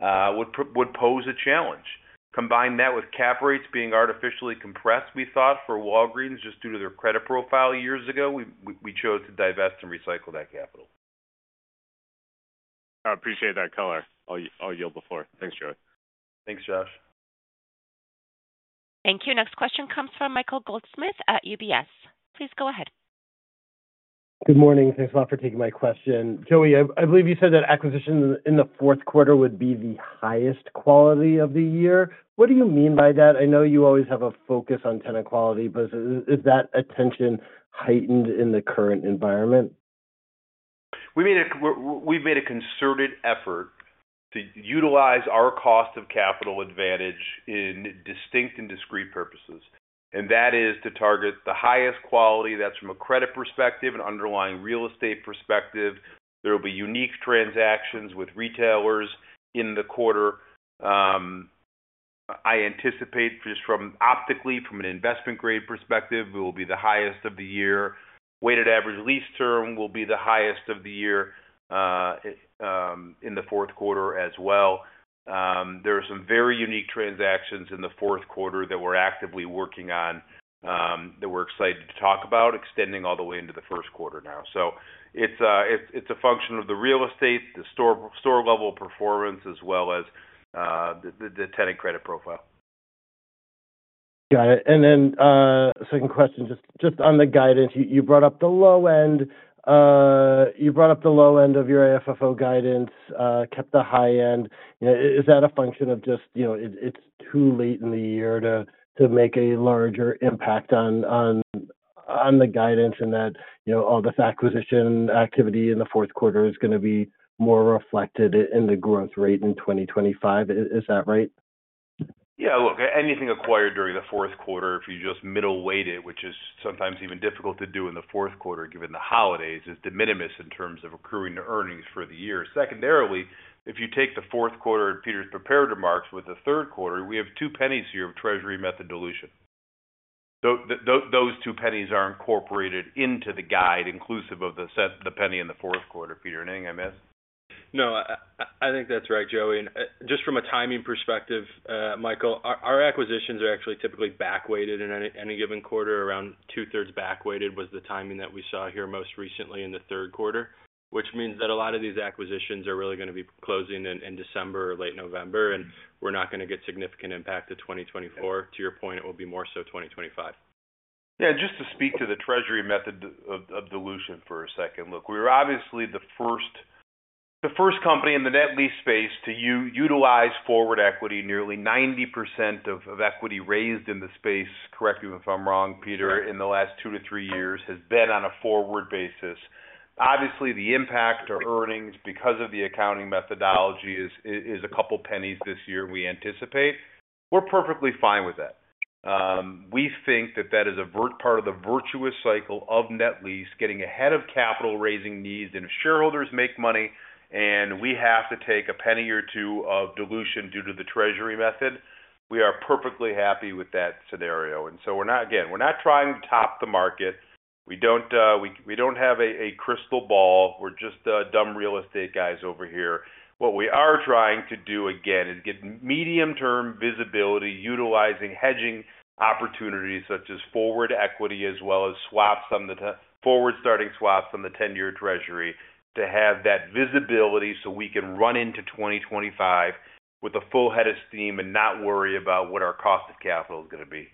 would pose a challenge. Combine that with cap rates being artificially compressed. We thought, for Walgreens, just due to their credit profile years ago, we chose to divest and recycle that capital. I appreciate that color. I'll yield the floor. Thanks, Joey. Thanks, Josh. Thank you. Next question comes from Michael Goldsmith at UBS. Please go ahead. Good morning. Thanks a lot for taking my question. Joey, I believe you said that acquisitions in the fourth quarter would be the highest quality of the year. What do you mean by that? I know you always have a focus on tenant quality, but is that attention heightened in the current environment? We made a concerted effort to utilize our cost of capital advantage in distinct and discrete purposes, and that is to target the highest quality, that's from a credit perspective and underlying real estate perspective. There will be unique transactions with retailers in the quarter. I anticipate just from optically, from an investment grade perspective, it will be the highest of the year. Weighted average lease term will be the highest of the year in the fourth quarter as well. There are some very unique transactions in the fourth quarter that we're actively working on that we're excited to talk about, extending all the way into the first quarter now. So it's a function of the real estate, the store level performance, as well as the tenant credit profile.... Got it. And then, second question, just on the guidance. You brought up the low end of your AFFO guidance, kept the high end. Is that a function of just, you know, it's too late in the year to make a larger impact on the guidance and that, you know, all this acquisition activity in the fourth quarter is gonna be more reflected in the growth rate in 2025. Is that right? Yeah, look, anything acquired during the fourth quarter, if you just middle weight it, which is sometimes even difficult to do in the fourth quarter, given the holidays, is de minimis in terms of accruing the earnings for the year. Secondarily, if you take the fourth quarter in Peter's prepared remarks with the third quarter, we have two pennies here of treasury stock method dilution. So those two pennies are incorporated into the guide, inclusive of that, the penny in the fourth quarter. Peter, anything I missed? No, I think that's right, Joey. And just from a timing perspective, Michael, our acquisitions are actually typically back weighted in any given quarter, around 2/3 back weighted, was the timing that we saw here most recently in the third quarter, which means that a lot of these acquisitions are really gonna be closing in December or late November, and we're not gonna get significant impact to 2024. To your point, it will be more so 2025. Yeah, just to speak to the treasury method of dilution for a second. Look, we're obviously the first company in the net lease space to utilize forward equity. Nearly 90% of equity raised in the space, correct me if I'm wrong, Peter. In the last two to three years, has been on a forward basis. Obviously, the impact to earnings because of the accounting methodology is a couple pennies this year, we anticipate. We're perfectly fine with that. We think that is a part of the virtuous cycle of net lease, getting ahead of capital raising needs, and if shareholders make money and we have to take a penny or two of dilution due to the treasury method, we are perfectly happy with that scenario. And so, again, we're not trying to top the market. We don't have a crystal ball. We're just dumb real estate guys over here. What we are trying to do, again, is get medium-term visibility, utilizing hedging opportunities such as forward equity, as well as forward starting swaps on the 10-year Treasury, to have that visibility so we can run into 2025 with a full head of steam and not worry about what our cost of capital is gonna be.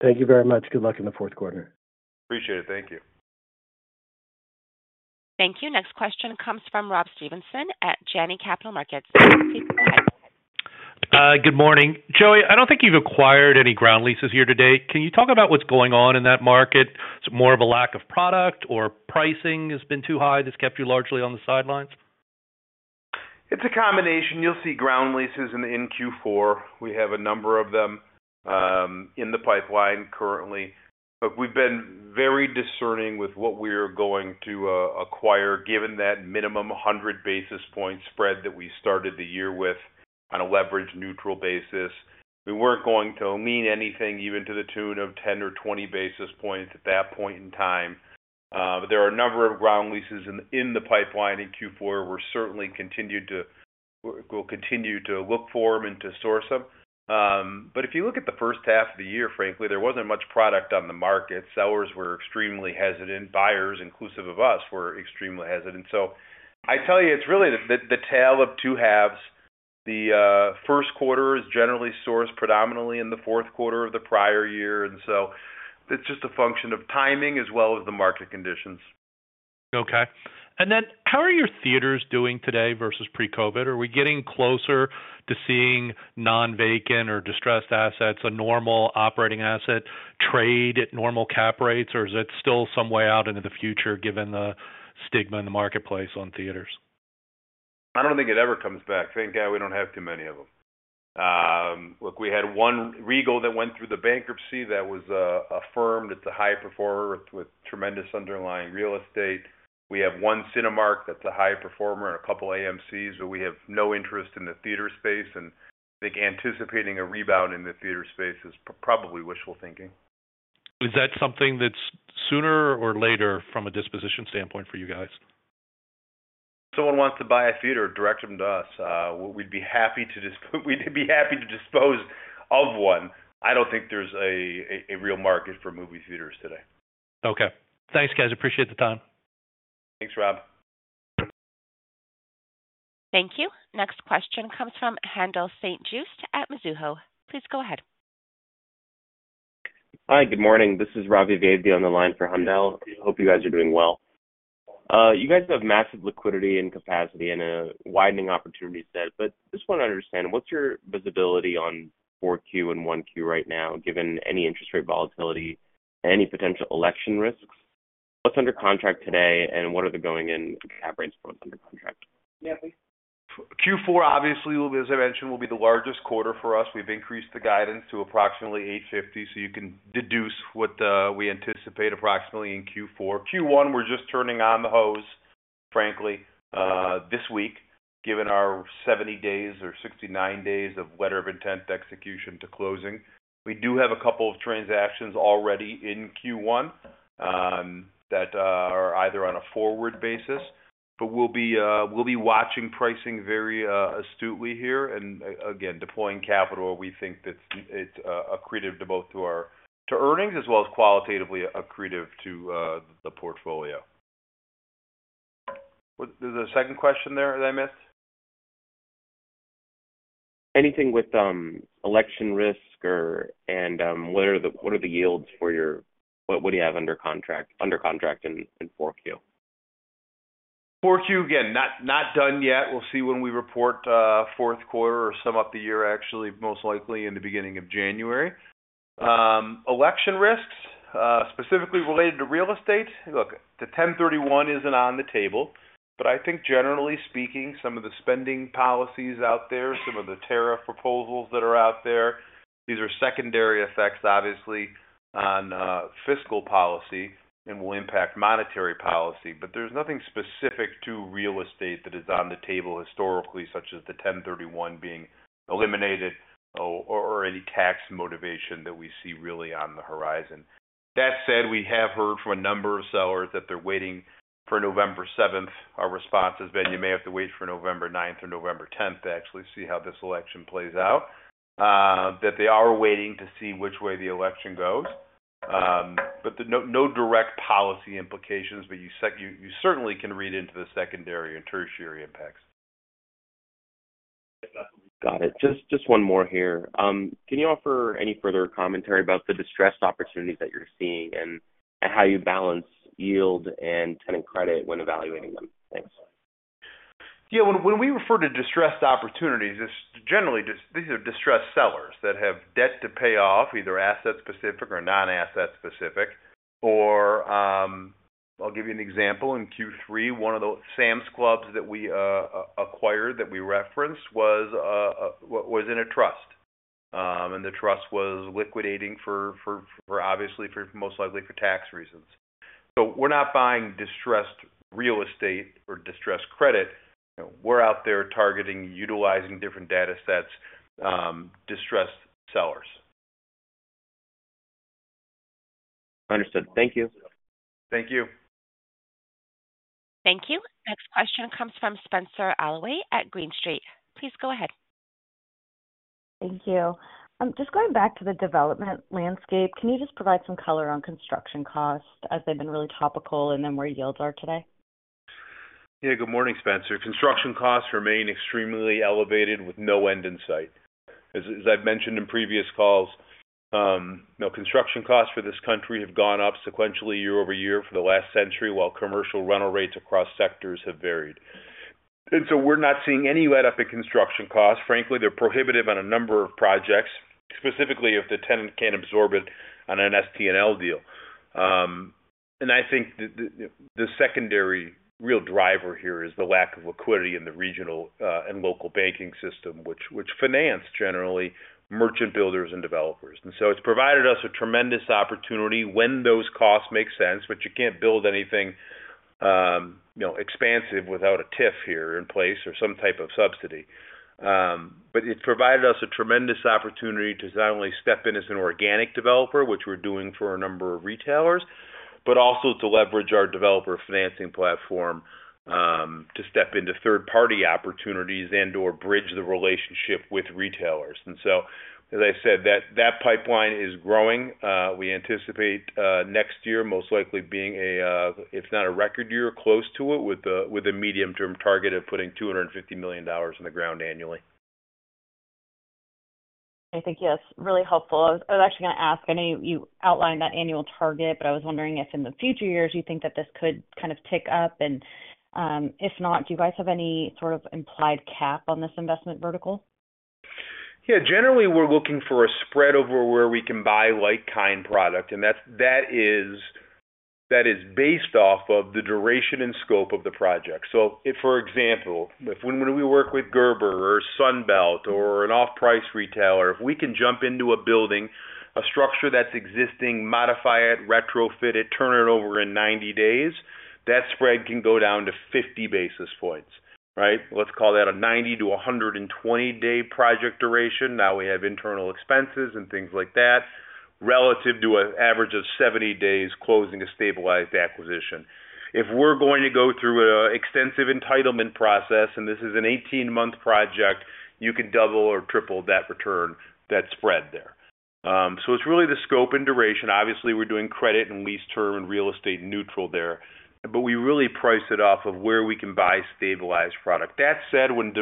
Thank you very much. Good luck in the fourth quarter. Appreciate it. Thank you. Thank you. Next question comes from Rob Stevenson at Janney Capital Markets. Please go ahead. Good morning. Joey, I don't think you've acquired any ground leases year-to-date. Can you talk about what's going on in that market? It's more of a lack of product or pricing has been too high, that's kept you largely on the sidelines? It's a combination. You'll see ground leases in Q4. We have a number of them in the pipeline currently, but we've been very discerning with what we're going to acquire, given that minimum 100 basis points spread that we started the year with on a leverage-neutral basis. We weren't going to lean anything even to the tune of 10 or 20 basis points at that point in time, but there are a number of ground leases in the pipeline in Q4. We'll continue to look for them and to source them, but if you look at the first half of the year, frankly, there wasn't much product on the market. Sellers were extremely hesitant. Buyers, inclusive of us, were extremely hesitant, so I tell you, it's really the tale of two halves. The first quarter is generally sourced predominantly in the fourth quarter of the prior year, and so it's just a function of timing as well as the market conditions. Okay. And then how are your theaters doing today versus pre-COVID? Are we getting closer to seeing non-vacant or distressed assets, a normal operating asset, trade at normal cap rates, or is it still some way out into the future, given the stigma in the marketplace on theaters? I don't think it ever comes back. Thank God, we don't have too many of them. Look, we had one Regal that went through the bankruptcy that was affirmed. It's a high performer with tremendous underlying real estate. We have one Cinemark that's a high performer and a couple AMCs, but we have no interest in the theater space, and I think anticipating a rebound in the theater space is probably wishful thinking. Is that something that's sooner or later from a disposition standpoint for you guys? Someone wants to buy a theater, direct them to us. We'd be happy to dispose of one. I don't think there's a real market for movie theaters today. Okay. Thanks, guys. Appreciate the time. Thanks, Rob. Thank you. Next question comes from Haendel St. Juste at Mizuho. Please go ahead. Hi, good morning. This is Ravi Vaidya on the line for Haendel. I hope you guys are doing well. You guys have massive liquidity and capacity and a widening opportunity set, but just want to understand, what's your visibility on 4Q and 1Q right now, given any interest rate volatility, any potential election risks? What's under contract today, and what are the going-in cap rates for what's under contract? Q4, obviously, as I mentioned, will be the largest quarter for us. We've increased the guidance to approximately 850, so you can deduce what we anticipate approximately in Q4. Q1, we're just turning on the hose, frankly, this week, given our 70 days or 69 days of letter of intent execution to closing. We do have a couple of transactions already in Q1 that are either on a forward basis, but we'll be watching pricing very astutely here, and again, deploying capital, we think that's it accretive to both our to earnings as well as qualitatively accretive to the portfolio. Was there a second question there that I missed? Anything with election risk or what are the yields for your what do you have under contract in 4Q? 4Q, again, not done yet. We'll see when we report fourth quarter or sum up the year, actually, most likely in the beginning of January. Election risks, specifically related to real estate? Look, the 1031 isn't on the table, but I think generally speaking, some of the spending policies out there, some of the tariff proposals that are out there, these are secondary effects, obviously, on fiscal policy and will impact monetary policy. But there's nothing specific to real estate that is on the table historically, such as the 1031 being eliminated or any tax motivation that we see really on the horizon. That said, we have heard from a number of sellers that they're waiting for November seventh. Our response has been, you may have to wait for November 9th or November 10th to actually see how this election plays out, that they are waiting to see which way the election goes. But no direct policy implications, but you certainly can read into the secondary and tertiary impacts. Got it. Just one more here. Can you offer any further commentary about the distressed opportunities that you're seeing and how you balance yield and tenant credit when evaluating them? Thanks. Yeah, when we refer to distressed opportunities, it's generally just these are distressed sellers that have debt to pay off, either asset-specific or non-asset-specific. Or, I'll give you an example. In Q3, one of the Sam's Club that we acquired, that we referenced was in a trust, and the trust was liquidating for obviously, for most likely for tax reasons. So we're not buying distressed real estate or distressed credit. We're out there targeting, utilizing different data sets, distressed sellers. Understood. Thank you. Thank you. Thank you. Next question comes from Spenser Allaway at Green Street. Please go ahead. Thank you. Just going back to the development landscape, can you just provide some color on construction costs as they've been really topical, and then where yields are today? Yeah. Good morning, Spenser. Construction costs remain extremely elevated with no end in sight. As I've mentioned in previous calls, you know, construction costs for this country have gone up sequentially year-over-year for the last century, while commercial rental rates across sectors have varied. And so we're not seeing any letup in construction costs. Frankly, they're prohibitive on a number of projects, specifically if the tenant can't absorb it on an STNL deal. And I think the secondary real driver here is the lack of liquidity in the regional and local banking system, which finance generally merchant builders and developers. And so it's provided us a tremendous opportunity when those costs make sense, but you can't build anything, you know, expansive without a TIF here in place or some type of subsidy. But it's provided us a tremendous opportunity to not only step in as an organic developer, which we're doing for a number of retailers, but also to leverage our developer financing platform to step into third-party opportunities and/or bridge the relationship with retailers. And so, as I said, that pipeline is growing. We anticipate next year most likely being a if not a record year, close to it, with a medium-term target of putting $250 million in the ground annually. I think, yes, really helpful. I was actually gonna ask, I know you outlined that annual target, but I was wondering if in the future years, you think that this could kind of tick up? and if not, do you guys have any sort of implied cap on this investment vertical? Yeah, generally we're looking for a spread over where we can buy like-kind product, and that's, that is based off of the duration and scope of the project. So if, for example, when we work with Gerber or Sunbelt or an off-price retailer, if we can jump into a building, a structure that's existing, modify it, retrofit it, turn it over in 90 days, that spread can go down to 50 basis points, right? Let's call that a 90- to 120-day project duration. Now we have internal expenses and things like that, relative to an average of 70 days closing a stabilized acquisition. If we're going to go through an extensive entitlement process, and this is an 18-month project, you can double or triple that return, that spread there. So it's really the scope and duration. Obviously, we're doing credit and lease term and real estate neutral there, but we really price it off of where we can buy stabilized product. That said, when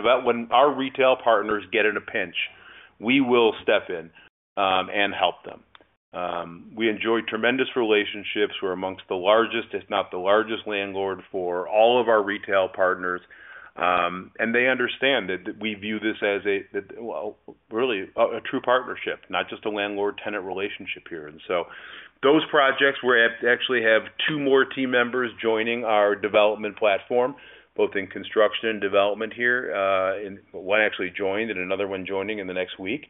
our retail partners get in a pinch, we will step in and help them. We enjoy tremendous relationships. We're amongst the largest, if not the largest landlord for all of our retail partners, and they understand that we view this as a, well, really a true partnership, not just a landlord-tenant relationship here. And so those projects, actually have two more team members joining our development platform, both in construction and development here, and one actually joined and another one joining in the next week.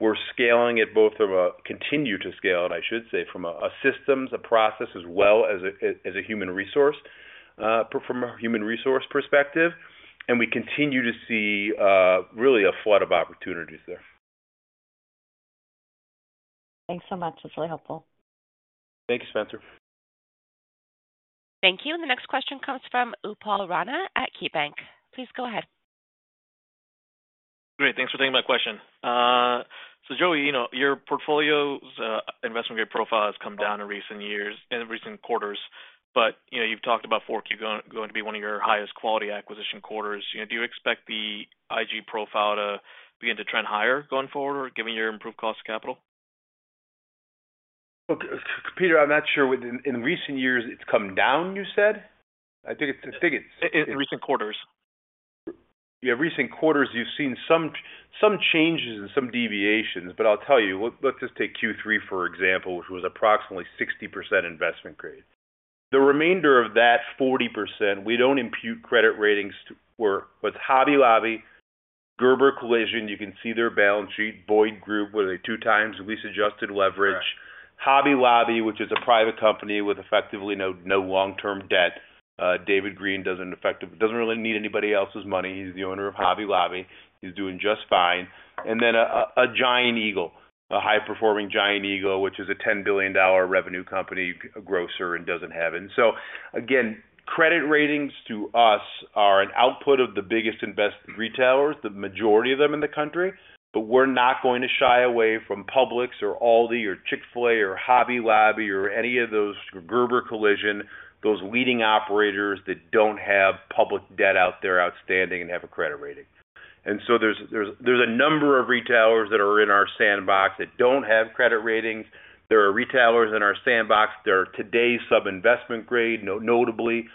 We're scaling it both from a continue to scale, and I should say, from a systems and process, as well as a human resource perspective, and we continue to see really a flood of opportunities there. Thanks so much. That's really helpful. Thank you, Spenser. Thank you. The next question comes from Upal Rana at KeyBanc. Please go ahead. ... Great, thanks for taking my question. So Joey, you know, your portfolio's investment grade profile has come down in recent years, in recent quarters. But, you know, you've talked about Q4 going to be one of your highest quality acquisition quarters. You know, do you expect the IG profile to begin to trend higher going forward or given your improved cost of capital? Look, Peter, I'm not sure. In recent years, it's come down, you said? I think it's- In recent quarters. Yeah, recent quarters, you've seen some changes and some deviations, but I'll tell you, let's just take Q3, for example, which was approximately 60% investment grade. The remainder of that 40%, we don't impute credit ratings to where with Hobby Lobby, Gerber Collision, you can see their balance sheet. Boyd Group, what are they? 2x at least adjusted leverage. Hobby Lobby, which is a private company with effectively no long-term debt. David Green doesn't really need anybody else's money. He's the owner of Hobby Lobby. He's doing just fine. And then a Giant Eagle, a high-performing Giant Eagle, which is a $10 billion revenue company, a grocer, and doesn't have... And so again, credit ratings to us are an output of the biggest investment retailers, the majority of them in the country. But we're not going to shy away from Publix or Aldi or Chick-fil-A or Hobby Lobby or any of those Gerber Collision, those leading operators that don't have public debt out there outstanding and have a credit rating. And so there's a number of retailers that are in our sandbox that don't have credit ratings. There are retailers in our sandbox that are today sub-investment grade, notably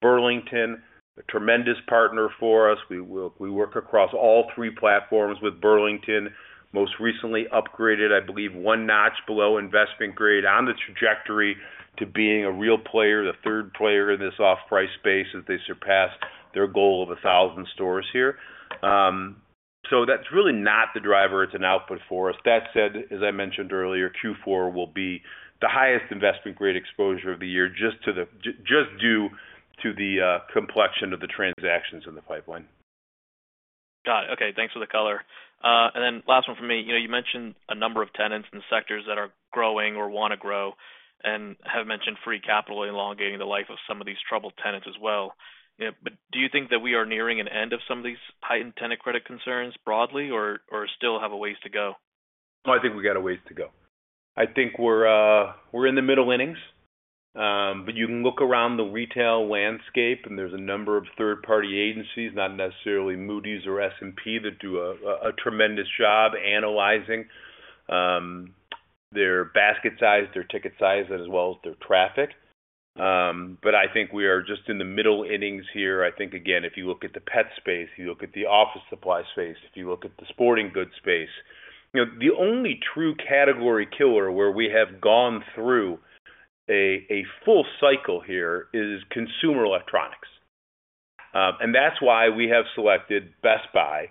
Burlington, a tremendous partner for us. We work across all three platforms with Burlington. Most recently upgraded, I believe, one notch below investment grade on the trajectory to being a real player, the third player in this off-price space, as they surpassed their goal of a thousand stores here. So that's really not the driver. It's an output for us. That said, as I mentioned earlier, Q4 will be the highest investment-grade exposure of the year, just due to the complexion of the transactions in the pipeline. Got it. Okay, thanks for the color, and then last one from me. You know, you mentioned a number of tenants in sectors that are growing or wanna grow, and have mentioned free capital elongating the life of some of these troubled tenants as well. You know, but do you think that we are nearing an end of some of these heightened tenant credit concerns broadly or, or still have a ways to go? I think we've got a ways to go. I think we're in the middle innings. But you can look around the retail landscape and there's a number of third-party agencies, not necessarily Moody's or S&P, that do a tremendous job analyzing their basket size, their ticket size, as well as their traffic. But I think we are just in the middle innings here. I think, again, if you look at the pet space, you look at the office supply space, if you look at the sporting goods space, you know, the only true category killer where we have gone through a full cycle here is consumer electronics. And that's why we have selected Best Buy,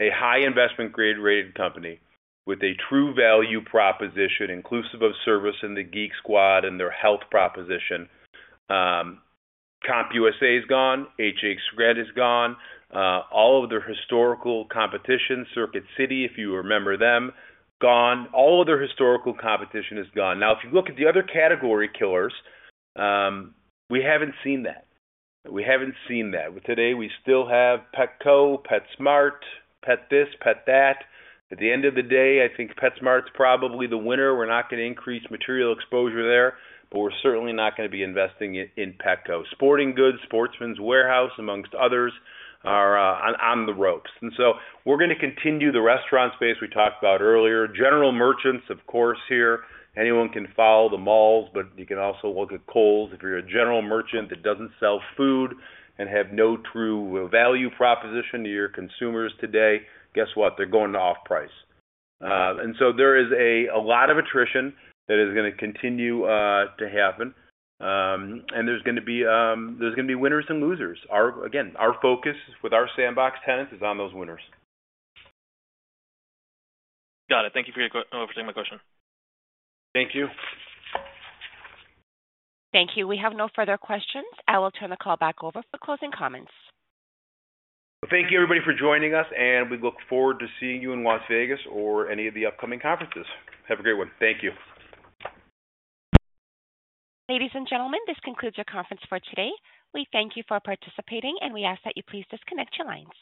a high investment-grade rated company with a true value proposition, inclusive of service in the Geek Squad and their health proposition. CompUSA is gone. HHGregg is gone. All of their historical competition, Circuit City, if you remember them, gone. All of their historical competition is gone. Now, if you look at the other category killers, we haven't seen that. We haven't seen that. Today, we still have Petco, PetSmart, pet this, pet that. At the end of the day, I think PetSmart's probably the winner. We're not going to increase material exposure there, but we're certainly not going to be investing in Petco. Sporting goods, Sportsman's Warehouse, among others, are on the ropes, and so we're gonna continue the restaurant space we talked about earlier. General merchants, of course, here, anyone can follow the malls, but you can also look at Kohl's. If you're a general merchant that doesn't sell food and have no true value proposition to your consumers today, guess what? They're going to off-price. and so there is a lot of attrition that is gonna continue to happen, and there's gonna be winners and losers. Again, our focus with our sandbox tenants is on those winners. Got it. Thank you for taking my question. Thank you. Thank you. We have no further questions. I will turn the call back over for closing comments. Thank you, everybody, for joining us, and we look forward to seeing you in Las Vegas or any of the upcoming conferences. Have a great one. Thank you. Ladies and gentlemen, this concludes your conference for today. We thank you for participating, and we ask that you please disconnect your lines.